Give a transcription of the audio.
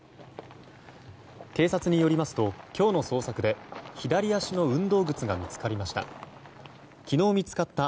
警察によりますと今日の捜索で左足の運動靴が見つかりました。